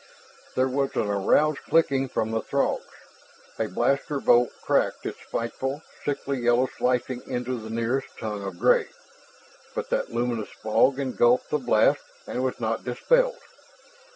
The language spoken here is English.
There was an aroused clicking from the Throgs. A blaster bolt cracked, its spiteful, sickly yellow slicing into the nearest tongue of gray. But that luminous fog engulfed the blast and was not dispelled.